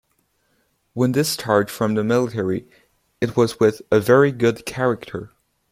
When discharged from the military it was with 'a very good character'.